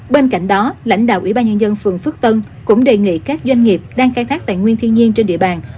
bên cạnh đó lãnh đạo ủy ban nhân dân phường phước tân cũng đề nghị các doanh nghiệp đang khai thác tài nguyên thiên nhiên trên địa bàn